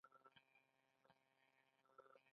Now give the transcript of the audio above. د څمکنیو بازار مشهور دی